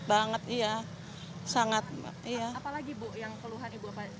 peluk pelukan ibu apa jadinya nggak bisa tidur